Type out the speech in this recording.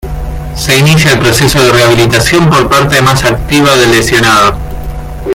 Se inicia el proceso de rehabilitación por parte más activa del lesionado.